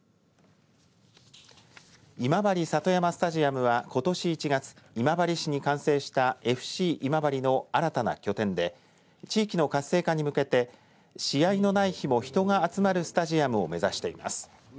今治里山スタジアムはことし１月今治市に完成したＦＣ今治の新たな拠点で地域の活性化に向けて試合のない日も人が集まるスタジアムを目指しています。